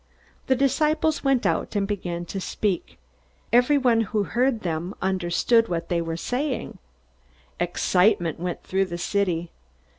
The disciples went out and began to speak. Everyone who heard them understood what they were saying. Excitement went through the city.